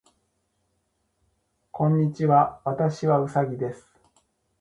こんにちは。私はうさぎです。